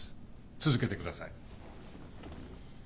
続けてください。